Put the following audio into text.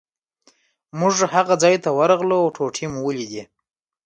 موږ هغه ځای ته ورغلو او ټوټې مو ولیدې.